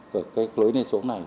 của lối lên xuống này